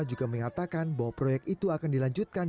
juga mengatakan bahwa proyek itu akan dilanjutkan